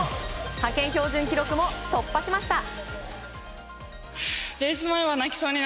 派遣標準記録も突破しました。